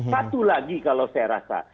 satu lagi kalau saya rasa